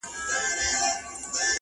سړیتوب په ښو اوصافو حاصلېږي,